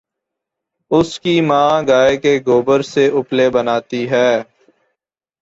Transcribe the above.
اس کی ماں گائےکے گوبر سے اپلے بناتی ہے